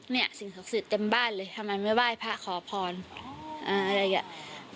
สิ่งศักดิ์สิทธิ์เต็มบ้านเลยทำไมไม่ไหว้พระขอพรอะไรอย่างเงี้ย